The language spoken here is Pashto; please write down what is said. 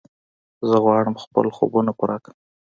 زه غواړم خپل خوبونه پوره کړم.